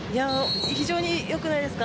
非常に良くないですか。